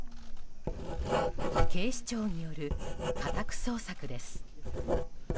警視庁による家宅捜索です。